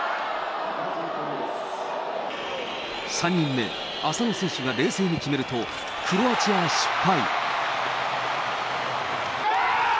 ３人目、浅野選手が冷静に決めると、クロアチアが失敗。